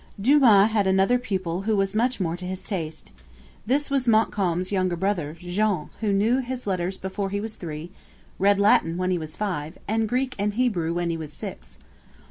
Dumas had another pupil who was much more to his taste. This was Montcalm's younger brother, Jean, who knew his letters before he was three, read Latin when he was five, and Greek and Hebrew when he was six.